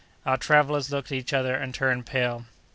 Our travellers looked at each other and turned pale.